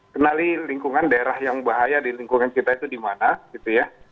kenali lingkungan daerah yang bahaya di lingkungan kita itu di mana gitu ya